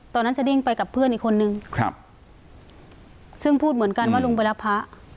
สดิ้งไปกับเพื่อนอีกคนนึงครับซึ่งพูดเหมือนกันว่าลุงไปรับพระ